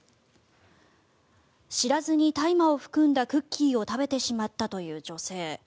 知らずに大麻を含んだクッキーを食べてしまったという女性。